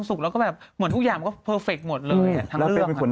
สนุกด้วยทำงานเลยเยี่ยมมากแล้วเป็นคน